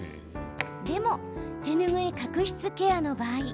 でも、手ぬぐい角質ケアの場合。